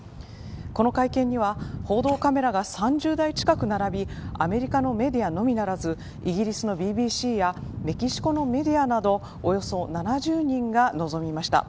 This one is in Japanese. この会見には、報道カメラが３０台近く並びアメリカのメディアのみならずイギリスのＢＢＣやメキシコのメディアなどおよそ７０人が臨みました。